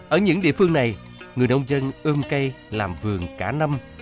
ở những địa phương này người nông dân ươm cây làm vườn cả năm